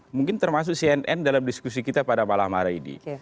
mungkin termasuk cnn dalam diskusi kita pada malam hari ini